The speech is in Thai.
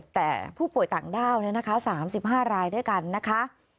แต่ผู้ป่วยต่างด้าวเนี่ยนะคะ๓๕รายด้วยกันนะคะ